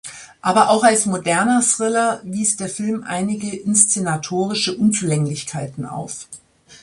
Aber auch als moderner Thriller wies der Film einige inszenatorische Unzulänglichkeiten auf.